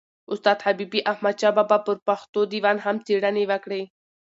استاد حبیبي احمدشاه بابا پر پښتو دېوان هم څېړني وکړې.